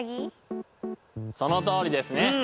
そのとおりですね。